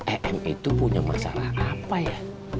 em itu punya masalah apa ya